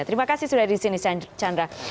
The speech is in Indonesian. terima kasih sudah di sini chandra